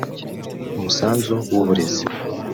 umusanzu w’uburezi